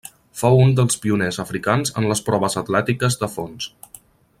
Fou un dels pioners africans en les proves atlètiques de fons.